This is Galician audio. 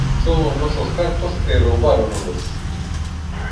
Son os nosos cartos e roubáronnolos.